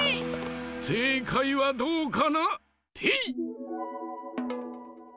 せいかいはどうかな？てい！